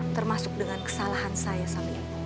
termasuk dengan kesalahan saya sampai